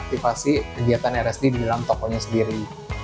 motivasi kegiatan rsd di dalam tokonya sendiri